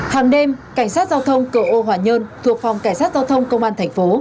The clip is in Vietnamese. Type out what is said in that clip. hàng đêm cảnh sát giao thông cửa ô hòa nhơn thuộc phòng cảnh sát giao thông công an tp